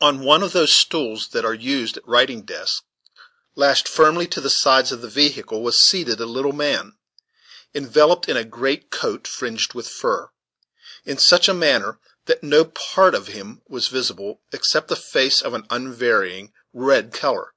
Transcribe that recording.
On one of those stools that are used at writing desks, lashed firmly to the sides of the vehicle, was seated a little man, enveloped in a great coat fringed with fur, in such a manner that no part of him was visible, except a face of an unvarying red color.